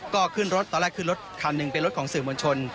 ก็ขึ้นรถตอนแรกขึ้นรถคันหนึ่งเป็นรถของสื่อมวลชน